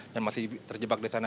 masih terjebak di sana